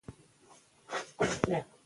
د مېلو پر مهال خلک د خپل ژوند ښې خاطرې جوړوي.